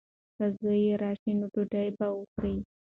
که زوی یې راشي نو ډوډۍ به وخوري.